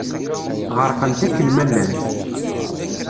Ɣerqent akken ma llant.